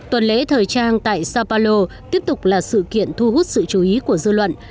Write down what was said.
tuần lễ thời trang tại sao paulo tiếp tục là sự kiện thu hút sự chú ý của dư luận